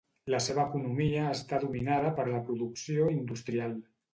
La seva economia està dominada per la producció industrial.